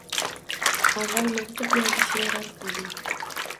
Avval maktub yozishni rad qilding